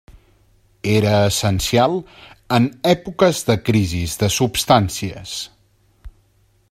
Era essencial en èpoques de crisis de substàncies.